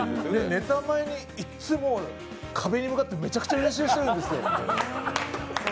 ネタ前にいつも壁に向かってめちゃくちゃ練習してるんですよ。